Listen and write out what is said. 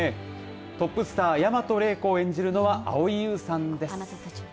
トップスター、大和礼子を演じるのは蒼井優さんです。